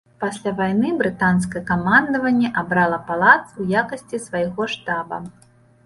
Пасля вайны брытанскае камандаванне абрала палац у якасці свайго штаба.